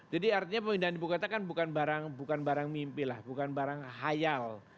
jadi artinya pemindahan ibu kota kan bukan barang mimpi lah bukan barang hayal